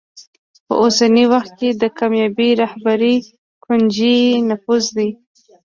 په اوسني وخت کې د کامیابې رهبرۍ کونجي نفوذ دی.